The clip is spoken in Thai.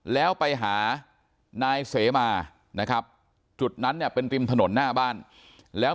แล้วไปหานายเสมานะครับจุดนั้นเนี่ยเป็นริมถนนหน้าบ้านแล้ว